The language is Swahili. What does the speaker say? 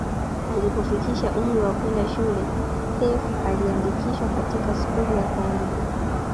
Alipofikisha umri wa kwenda shule Seif aliandikishwa katika skuli ya uondwe